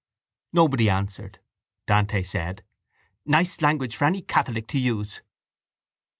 Nobody answered. Dante said: —Nice language for any catholic to use!